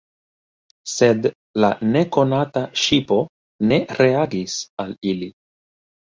Sed la nekonata ŝipo ne reagis al ili.